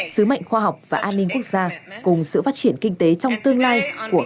sứ mệnh khoa học và an ninh quốc gia cùng sự phát triển kinh tế trong tương lai của